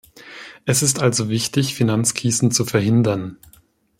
Es ist also wichtig, Finanzkrisen zu verhindern.